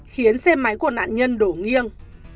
khiến xe máy của nạn nhân đổ nghiêng